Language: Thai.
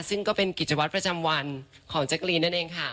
ซึ่งก็เป็นกิจวัตรประจำวันของแจ๊กรีนนั่นเองค่ะ